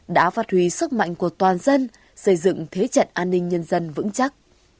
đã phát huy sức mạnh của toàn dân xây dựng thế trận an ninh nhân dân vững chắc